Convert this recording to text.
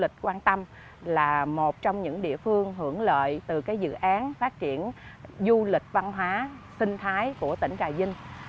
huyện trà cú là một trong những địa phương hưởng lợi từ dự án phát triển du lịch văn hóa sinh thái của tỉnh trà vinh